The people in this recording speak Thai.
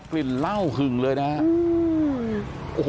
กลิ่นเหล้าขึงเลยนะฮะ